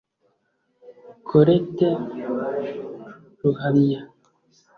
Colette Ruhamya